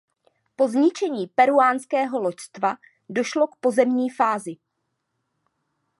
Po zničení peruánského loďstva došlo k pozemní fázi.